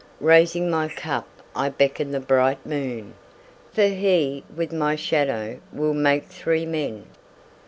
Raising my cup I beckon the bright moon, For he, with my shadow, will make three men.